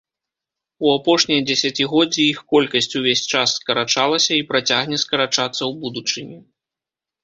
У апошнія дзесяцігоддзі іх колькасць увесь час скарачалася і працягне скарачацца ў будучыні.